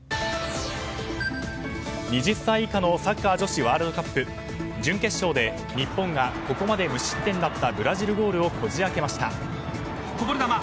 ２０歳以下のサッカー女子ワールドカップ準決勝で日本がここまで無失点だったブラジルゴールをこじ開けました。